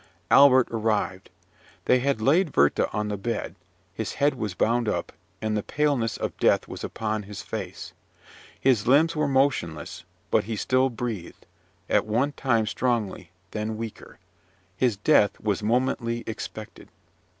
Albert arrived. They had laid Werther on the bed: his head was bound up, and the paleness of death was upon his face. His limbs were motionless; but he still breathed, at one time strongly, then weaker his death was momently expected.